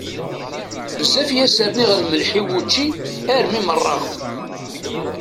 Bezzaf i as-rniɣ lemleḥ i wučči armi meṛṛeɣ!